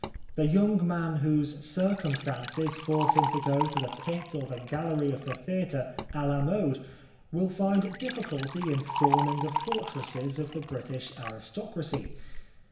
The young man whose circumstances force him to go to the pit or the gallery of the theatre a la mode will find difficulty in storming the fortresses of the British aristocracy.